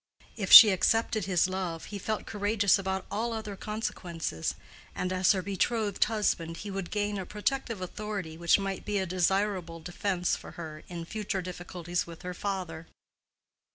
If she accepted his love, he felt courageous about all other consequences, and as her betrothed husband he would gain a protective authority which might be a desirable defense for her in future difficulties with her father.